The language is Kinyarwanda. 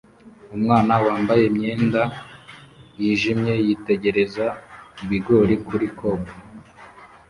Umwana wambaye imyenda yijimye yitegereza ibigori kuri cob